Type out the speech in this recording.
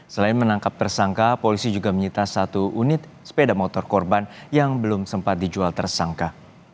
selain menangkap tersangka polisi juga menyita satu unit sepeda motor korban yang belum sempat dijual tersangka